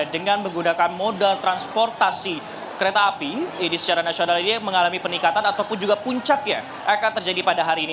dengan menggunakan moda transportasi kereta api ini secara nasional ini mengalami peningkatan ataupun juga puncaknya akan terjadi pada hari ini